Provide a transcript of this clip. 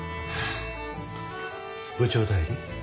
部長代理。